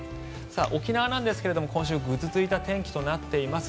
沖縄ですが今週ぐずついた天気となっています。